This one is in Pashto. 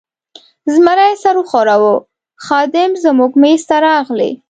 زمري سر و ښوراوه، خادم زموږ مېز ته راغلی.